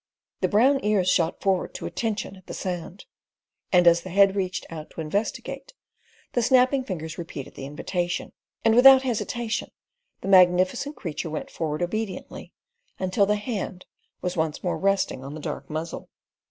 The brown ears shot forward to attention at the sound, and as the head reached out to investigate, the snapping fingers repeated the invitation, and without hesitation the magnificent creature went forward obediently until the hand was once more resting on the dark muzzle.